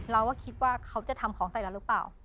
เราก็คิดว่าเขาจะทำของใส่เราหรือเปล่า